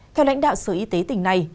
theo lãnh đạo sở y tế tỉnh này